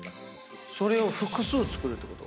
それを複数作るってこと？